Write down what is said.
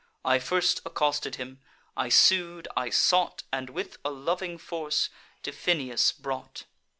I first accosted him: I sued, I sought, And, with a loving force, to Pheneus brought.